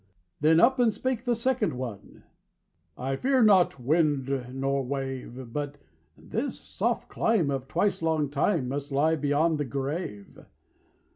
Then up and spake the second one: "I fear not wind nor wave; But this soft clime of twice long time Must lie beyond the grave.